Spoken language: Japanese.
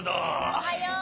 おはよう。